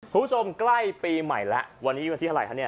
คุณผู้ชมใกล้ปีใหม่แล้ววันนี้วันที่เท่าไหร่คะเนี่ย